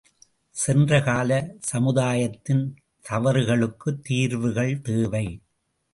சென்றகால சமுதாயத்தின் தவறுகளுக்குத் தீர்வுகள் தேவை.